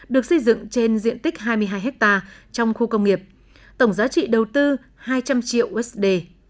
được xây dựng trên diện tích hai mươi hai hectare trong khu công nghiệp tổng giá trị đầu tư hai trăm linh triệu usd